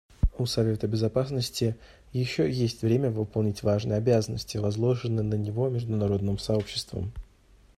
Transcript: У Совета Безопасности еще есть время выполнить важные обязанности, возложенные на него международным сообществом.